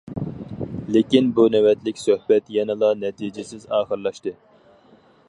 لېكىن بۇ نۆۋەتلىك سۆھبەت يەنىلا نەتىجىسىز ئاخىرلاشتى.